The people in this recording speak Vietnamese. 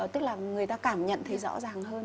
tức là người ta cảm nhận thấy rõ ràng hơn